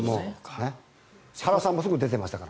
原さんもすぐ出てましたから。